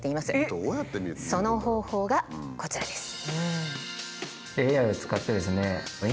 その方法がこちらです。